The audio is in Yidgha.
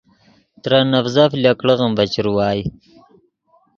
ترے نڤزف لکڑغّیم ڤے چروائے